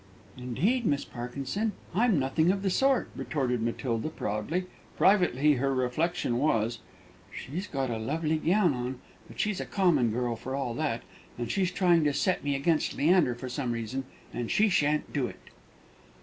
"Indeed, Miss Parkinson, I'm nothing of the sort," retorted Matilda, proudly. Privately her reflection was: "She's got a lovely gown on, but she's a common girl, for all that; and she's trying to set me against Leander for some reason, and she shan't do it."